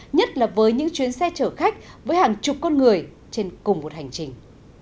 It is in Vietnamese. nhất là với những chuyến xe chở khách với hàng chục con người trên cùng một hành trình